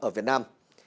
ở việt nam